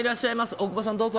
大久保さん、どうぞ。